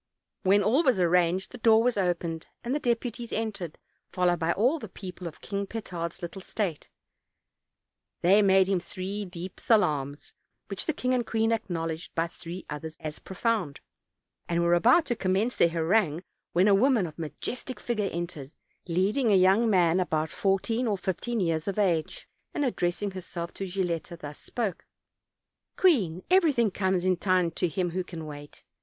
r OLD, OLD PAinr TALES. When all was arranged the door was opened, and the deputies entered, followed by all the people of King Petard's little state; they made him three deep salaams, which the king and queen acknowledged by three others as profound, and were about to commence their harangue, when a woman of majestic figure entered, leading a young man about fourteen or fifteen years of age, and addressing herself to Gilletta. thus spoke: "Queen, everything comes in time to him who can wait.